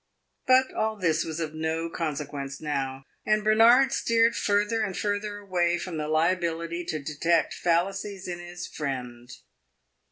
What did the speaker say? But all this was of no consequence now, and Bernard steered further and further away from the liability to detect fallacies in his friend.